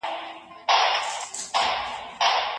د افغانستان ولسواکي په تېرو کلونو کي زندۍ سوه.